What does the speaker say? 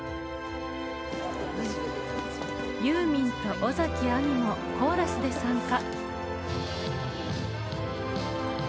ユーミンと尾崎亜美もコーラスで参加。